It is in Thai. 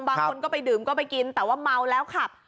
บางคนก็ไปดื่มก็ไปกินแต่ว่าเมาแล้วขับ